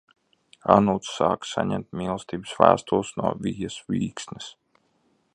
Anūts sāka saņemt mīlestības vēstules no Vijas Vīksnes.